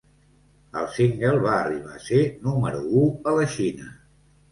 El single va arribar a ser número u a la Xina.